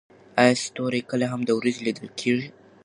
ایا ستوري کله هم د ورځې لیدل کیږي؟